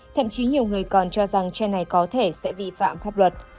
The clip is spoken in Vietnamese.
thậm chí nhiều người còn cho rằng che này có thể sẽ vi phạm pháp luật